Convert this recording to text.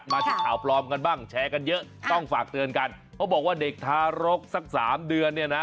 มาที่ข่าวปลอมกันบ้างแชร์กันเยอะต้องฝากเตือนกันเขาบอกว่าเด็กทารกสักสามเดือนเนี่ยนะ